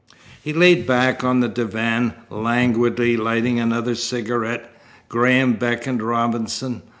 He lay back on the divan, languidly lighting another cigarette. Graham beckoned Robinson.